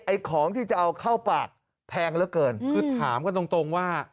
ของที่จะเอาเข้าปากแพงเหลือเกินคือถามกันตรงตรงว่า